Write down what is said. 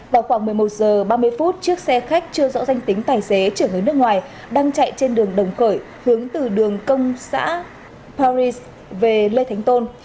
vào khoảng một mươi một h ba mươi phút chiếc xe khách chưa rõ danh tính tài xế chở người nước ngoài đang chạy trên đường đồng khởi hướng từ đường công xã paris về lê thánh tôn